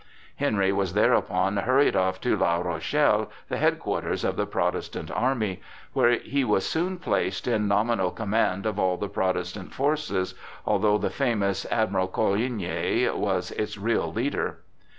Henry was thereupon hurried off to La Rochelle, the headquarters of the Protestant army, where he was soon placed in nominal command of all the Protestant forces, although the famous Admiral Coligny was its real leader.